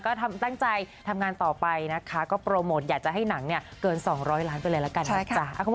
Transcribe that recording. ก็ตั้งใจทำงานต่อไปนะคะก็โปรโมทอยากจะให้หนังเนี่ยเกิน๒๐๐ล้านไปเลยละกันนะจ๊ะ